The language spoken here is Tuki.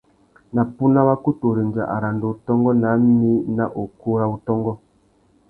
Na puna, wa kutu rendza aranda-utôngô ná mí nà ukú râ wutôngô.